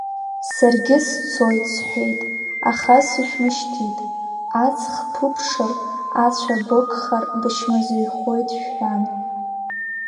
Саргьы сцоит, сҳәеит, аха сышәмышьҭит, аҵх ԥыбҽыр, ацәа быгхар, бычмазаҩхоит, шәҳәан.